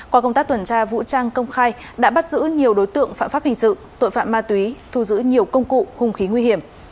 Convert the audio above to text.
qua công tác tuần tra vũ trang công khai đã bắt giữ nhiều đối tượng phạm pháp hình sự tội phạm ma túy thu giữ nhiều công cụ hung khí nguy hiểm